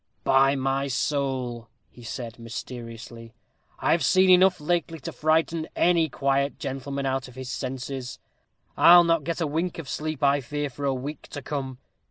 "By my sowl," said he, mysteriously, "I've seen enough lately to frighten any quiet gentleman out of his senses. I'll not get a wink of sleep, I fear, for a week to come.